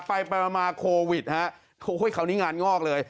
ไปมาโควิดเวลานี้งานงอกเลย